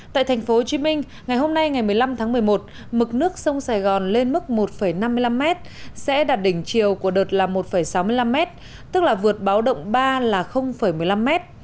tại tp hcm ngày hôm nay ngày một mươi năm tháng một mươi một mực nước sông sài gòn lên mức một năm mươi năm m sẽ đạt đỉnh chiều của đợt là một sáu mươi năm m tức là vượt báo động ba là một mươi năm m